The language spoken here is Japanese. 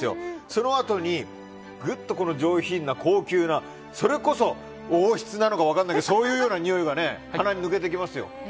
そのあとに、ぐっと上品な高級なそれこそ王室なのか分からないけどそういうにおいが鼻を抜けていきますよ。